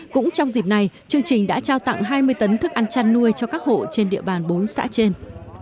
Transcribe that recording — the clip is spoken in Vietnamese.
cũng trong dịp này chương trình đã trao tặng hai mươi tấn thức ăn chăn nuôi cho các hộ trên địa bàn bốn xã trên